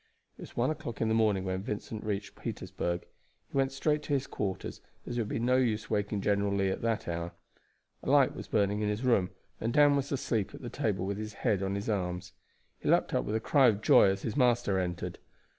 It was one o'clock in the morning when Vincent reached Petersburg. He went straight to his quarters, as it would be no use waking General Lee at that hour. A light was burning in his room, and Dan was asleep at the table with his head on his arms. He leaped up with a cry of joy as his master entered.